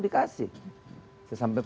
dikasih saya sampaikan